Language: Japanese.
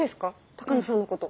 鷹野さんのこと。